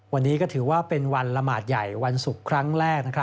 วันนี้ก็ถือว่าเป็นวันละหมาดใหญ่วันศุกร์ครั้งแรก